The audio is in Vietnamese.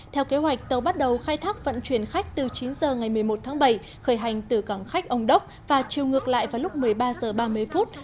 theo kế hoạch tàu bắt đầu khai thác vận chuyển khách từ chín giờ ngày một mươi một tháng bảy khởi hành từ cảng khách ông đốc và chiều ngược lại vào lúc một mươi ba h ba mươi phút